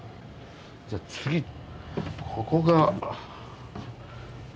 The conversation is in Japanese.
じゃ次ここが。